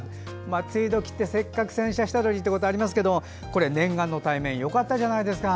梅雨時ってせっかく洗車したのにってことありますけど念願の対面よかったじゃないですか。